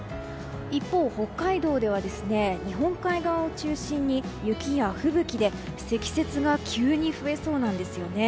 一方、北海道では日本海側を中心に雪や吹雪で積雪が急に増えそうなんですよね。